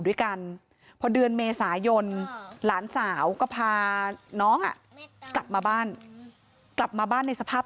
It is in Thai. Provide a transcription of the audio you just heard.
ด้วยกันพอเดือนเมษายนหลานสาวก็พาน้องอ่ะกลับมาบ้านกลับมาบ้านในสภาพ